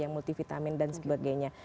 yang multivitamin dan sebagainya